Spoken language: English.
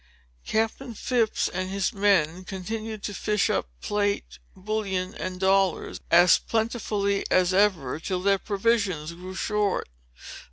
Captain Phips and his men continued to fish up plate, bullion, and dollars, as plentifully as ever, till their provisions grew short.